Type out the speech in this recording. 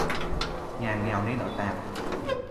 Nhà nghèo nên ở tạp